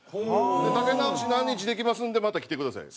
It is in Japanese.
で「丈直し何日でできますのでまた来てください」。